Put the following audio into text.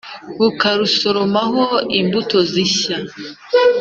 Bukarusoromaho imbuto z'ishya.